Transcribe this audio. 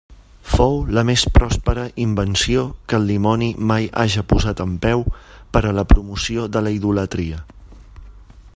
Fou la més pròspera invenció que el dimoni mai haja posat en peu per a la promoció de la idolatria.